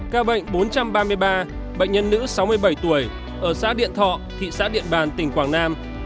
ca bệnh bốn trăm ba mươi ba bệnh nhân nữ sáu mươi bảy tuổi ở xã điện thọ thị xã điện bàn tỉnh quảng nam